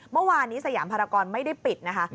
เมื่อวานนี้สยามภารกรไม่ได้ปิดนะคะ